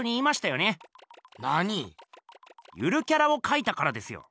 ゆるキャラをかいたからですよ。